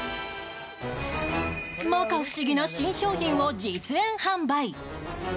摩訶不思議な新商品を実演販売。